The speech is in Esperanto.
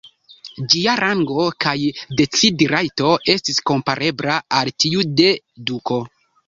Ĝia rango kaj decid-rajto estis komparebla al tiu de duko.